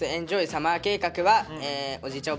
サマー計画」はおじいちゃん